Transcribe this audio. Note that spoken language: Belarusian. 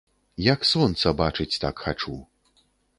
Як сонца, бачыць так хачу.